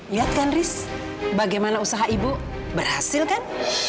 lihat kan riz bagaimana usaha ibu berhasil kan